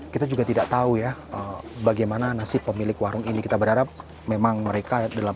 kita juga tidak tahu ya bagaimana nasib pemilik warung ini kita berharap memang mereka dalam